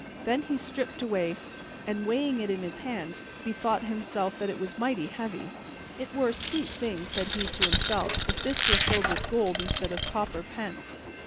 This he stripped away and, weighing it in his hands, bethought himself that it was mighty heavy. "It were a sweet thing," said he to himself, "if this were filled with gold instead of copper pence."